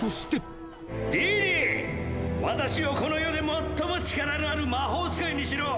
私をこの世で最も力のある魔法使いにしろ！